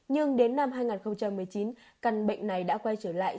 nhưng đến năm hai nghìn một mươi chín căn bệnh này đã quay trở lại